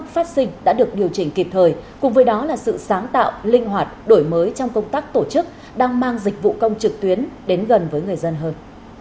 phát sinh đã được điều chỉnh kịp thời cùng với đó là sự sáng tạo linh hoạt đổi mới trong công tác tổ chức đang mang dịch vụ công trực tuyến đến gần với người dân hơn